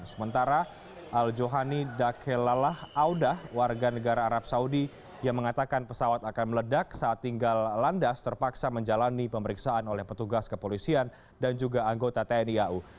sementara al johani dakelalah audah warga negara arab saudi yang mengatakan pesawat akan meledak saat tinggal landas terpaksa menjalani pemeriksaan oleh petugas kepolisian dan juga anggota tni au